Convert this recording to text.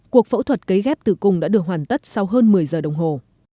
cuộc phẫu thuật cấy ghép tử cung đã được hoàn tất sau hơn một mươi giờ đồng hồ